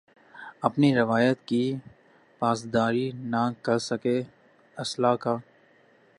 اپنی روایت کی پاسداری نہ کر سکے اصلاح کا